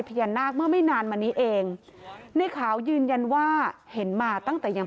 พิจารณาไม่นานมานี้เองนี่ข่าวยืนยันว่าเห็นมาตั้งแต่ยัง